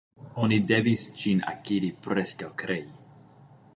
Oni devis ĝin akiri, preskaŭ krei.